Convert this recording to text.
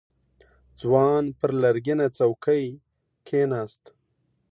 ځوان پر لرګينه څوکۍ کېناست.